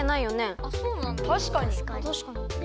たしかに。